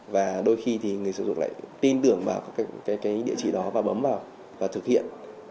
và đôi khi thì người dùng lại tin tưởng vào các địa chỉ đó và bấm vào và thực hiện